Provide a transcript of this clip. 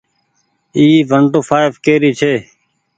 اي ونٽو ڦآئڦ ڪي ري ڇي۔